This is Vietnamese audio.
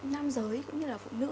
nam giới cũng như là phụ nữ